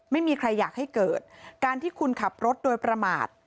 ไม่มีใครอยากให้เกิดการที่คุณขับรถโดยประมาท